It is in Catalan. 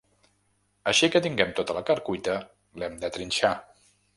Així que tinguem tota la carn cuita, l’hem de trinxar.